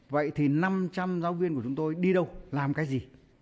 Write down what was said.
vậy thì năm trăm linh giáo viên của chúng tôi đi đâu làm cái gì